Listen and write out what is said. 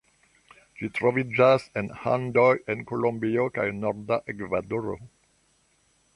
Ĝi troviĝas en Andoj en Kolombio kaj norda Ekvadoro.